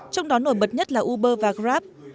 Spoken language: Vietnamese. trong đó nổi bật nhất là uber và grab